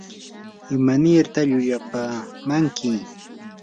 ¿imanirta llullapamanki?